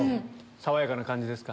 爽やかな感じですか？